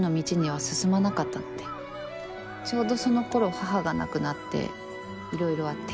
ちょうどそのころ母が亡くなっていろいろあって。